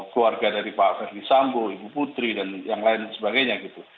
keluarga dari pak ferdis sambo ibu putri dan yang lain sebagainya gitu